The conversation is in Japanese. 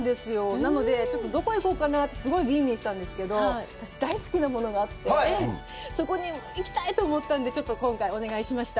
なのでちょっとどこへ行こうかなって、すごい吟味したんですけれども、私、大好きなものがあって、そこに行きたい！と思ったので、ちょっと今回お願いしました。